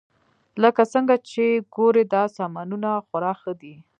لکه څنګه چې ګورئ دا سامانونه خورا ښه دي